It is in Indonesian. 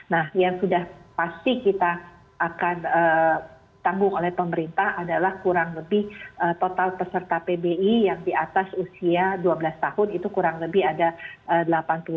nah yang sudah pasti kita akan tanggung oleh pemerintah adalah kurang lebih total peserta pbi yang di atas usia dua belas tahun itu kurang lebih ada delapan puluh sembilan tahun